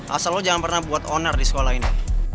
asal lo jangan pernah buat onar di sekolah ini